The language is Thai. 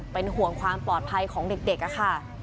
เป็นห่วงความปลอดภัยของเด็กค่ะ